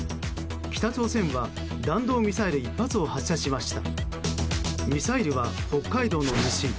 北朝鮮は弾道ミサイル１発を発射しました。